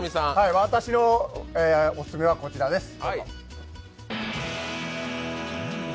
私のお勧めは、こちらです。